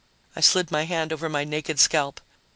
I slid my hand over my naked scalp.